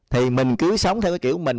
thì mình cứ sống theo cái kiểu mình